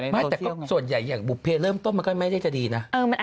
ไม่แต่ก็ส่วนใหญ่อย่างบุภเพเริ่มต้นมันก็ไม่ได้จะดีนะ